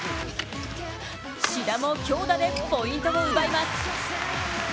志田も強打でポイントを奪います。